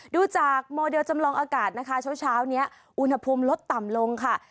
ดูจากโมเดลจำลองอากาศนะคะเช้านี้อุณหภูมิลดต่ำลงค่ะ